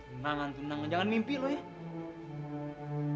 tunangan tunangan jangan mimpi lu ya